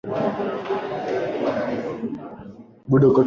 Linajumuisha nguzo za chuma milango yenye marembo